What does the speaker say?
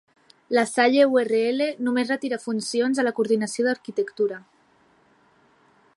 La Salle-URL només retira funcions a la coordinació d'Arquitectura